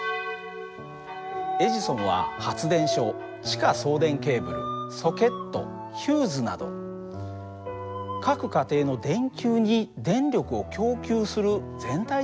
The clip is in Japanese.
エジソンは発電所地下送電ケーブルソケットヒューズなど各家庭の電球に電力を供給する全体的なシステムを作りました。